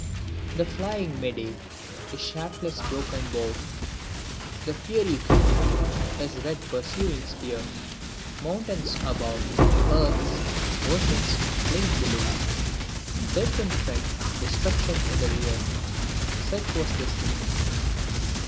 [The flying Mede, his shaftless broken bow; The fiery Greek, his red pursuing spear; Mountains above, Earth's, Ocean's plain below, Death in the front, Destruction in the rear! Such was the scene.